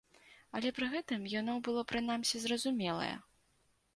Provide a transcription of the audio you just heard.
Але пры гэтым яно было прынамсі зразумелае.